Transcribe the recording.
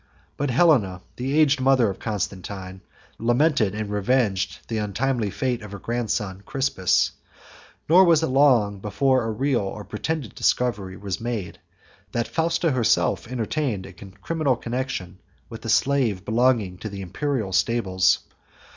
But Helena, the aged mother of Constantine, lamented and revenged the untimely fate of her grandson Crispus; nor was it long before a real or pretended discovery was made, that Fausta herself entertained a criminal connection with a slave belonging to the Imperial stables.